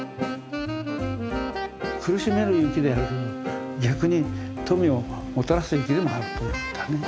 苦しめる雪であるけど逆に富をもたらす雪でもあるということだね。